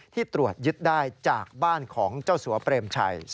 ตรวจยึดได้จากบ้านของเจ้าสัวเปรมชัย